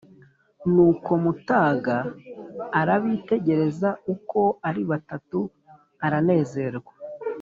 " nuko mutaga arabitegereza uko ari batatu aranezerwa